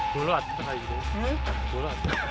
dulu atas lagi deh